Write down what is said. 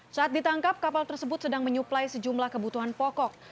saat ditangkap kapal tersebut sedang menyuplai sejumlah kebutuhan pokok